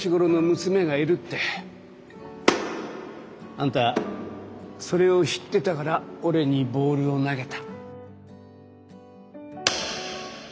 あんたそれを知ってたから俺にボールを投げた。